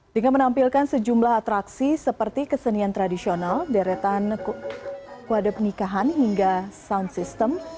dengan menampilkan sejumlah atraksi seperti kesenian tradisional deretan kuade pernikahan hingga sound system